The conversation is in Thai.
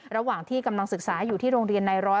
ระหว่างที่กำลังศึกษาอยู่ที่โรงเรียนในร้อย